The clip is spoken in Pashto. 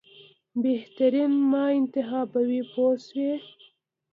بهترین ما انتخابوي پوه شوې!.